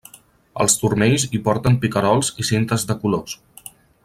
Als turmells hi porten picarols i cintes de colors.